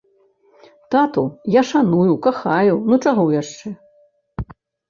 Тату я шаную, кахаю, ну чаго яшчэ?